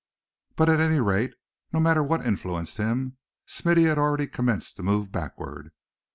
But at any rate, no matter what influenced him, Smithy had already commenced to move backward.